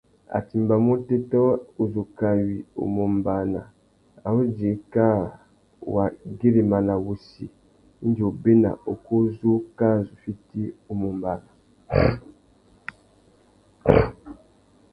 A tinamú otéta uzu kawi u mù ombāna a ru djï kā wa güirimana wussi indi obéna ukú u zu kā zu fiti u mù ombāna.